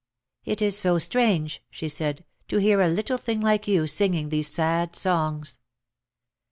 "It is so strange," she said, "to hear a little thing like you singing these sad songs."